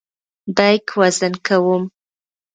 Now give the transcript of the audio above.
بیک وزن کوم.